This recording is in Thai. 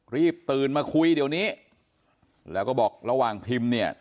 รีบตื่นมาคุยเดี๋ยวนี้แล้วก็บอกระหว่างพิมพ์เนี่ย